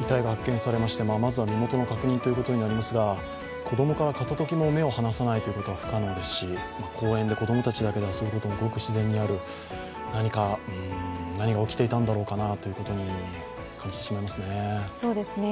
遺体が発見されましてまずは身元の確認ということになりますが子供から片ときも目を離さないということは不可能ですし公園で子供たちだけで遊ぶこともごく自然にある、何が起きていたんだろうかなと感じてしまいますね。